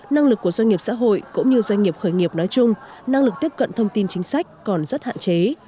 năng lực của doanh nghiệp xã hội cũng như doanh nghiệp khởi nghiệp nói chung năng lực tiếp cận thông tin chính sách còn rất hạn chế